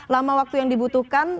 lama waktu yang dibutuhkan